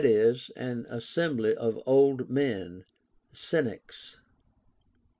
e. an assembly of old men (Senex).